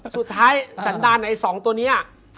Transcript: สุดท้ายสันดาลในสองตัวนี้